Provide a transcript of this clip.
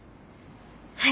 はい。